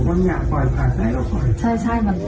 มันอยากปล่อยภาพให้เราปล่อย